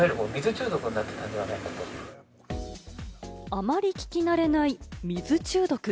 あまり聞き慣れない水中毒。